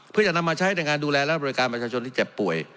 เพื่อจะนำมาใช้ในการดูแลและบริการประชาชนที่เจ็บป่วย